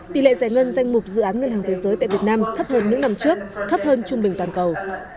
tỷ lệ giải ngân danh mục dự án ngân hàng thế giới tại việt nam thấp hơn những năm trước thấp hơn trung bình toàn cầu